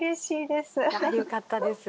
よかったです。